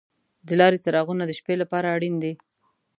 د لارې څراغونه د شپې لپاره اړین دي.